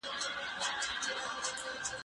زه نان خوړلی دی!.